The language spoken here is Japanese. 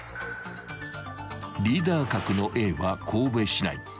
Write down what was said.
［リーダー格のＡは神戸市内］